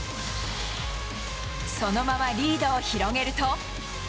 そのまま、リードを広げると。